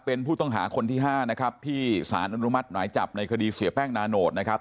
เป็นผู้ต้องหาคนที่๕นะครับที่สารอนุมัติหมายจับในคดีเสียแป้งนาโนตนะครับ